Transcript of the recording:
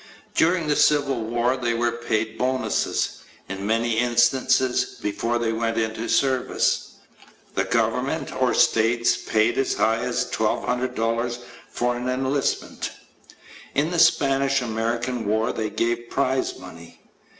During the Civil War they were paid bonuses, in many instances, before they went into service. The government, or states, paid as high as $1,200 for an enlistment. In the Spanish American War they gave prize money.